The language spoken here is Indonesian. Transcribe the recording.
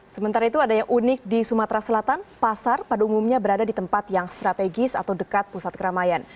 sementara itu ada yang unik di sumatera selatan pasar pada umumnya berada di tempat yang strategis atau dekat pusat keramaian